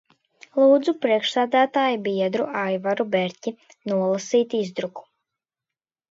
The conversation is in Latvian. Lūdzu priekšsēdētāja biedru Aivaru Berķi nolasīt izdruku.